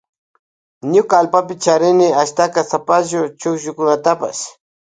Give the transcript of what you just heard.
Ñuka allpapi charini ashtaka sapallu chukllutapash.